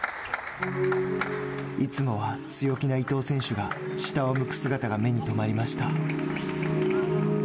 いつもは強気な伊藤選手が下を向く姿が目に留まりました。